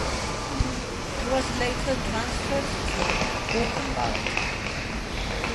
He was later transferred to Buchenwald.